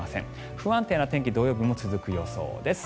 不安定な天気は土曜日も続く予想です。